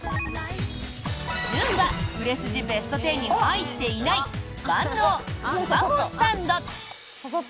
１０位は売れ筋ベスト１０に入っていない万能スマホスタンド。